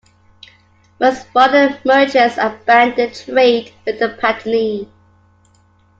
Most foreign merchants abandoned trade with Patani.